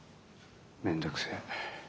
めんどくせえ。